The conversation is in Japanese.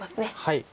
はい。